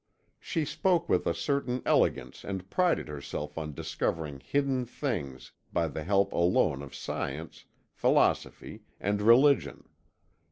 She spoke with a certain elegance and prided herself on discovering hidden things by the help alone of Science, Philosophy, and Religion.